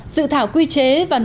sự thảo quy chế và nội quy công